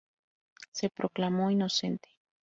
Se proclamó inocente.